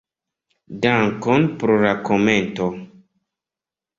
Dankon pro la komento.